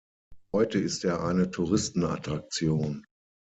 Heute ist er eine Touristenattraktion.